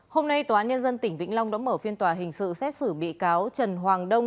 hôm nay tòa án nhân dân tỉnh vĩnh long đã mở phiên tòa hình sự xét xử bị cáo trần hoàng đông